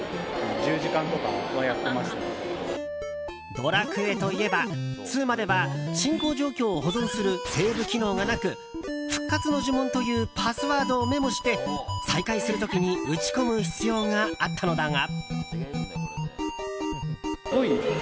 「ドラクエ」といえば２までは進行状況を保存するセーブ機能がなくふっかつのじゅもんというパスワードをメモして再開する時に打ち込む必要があったのだが。